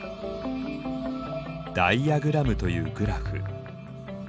ダイアグラムというグラフ。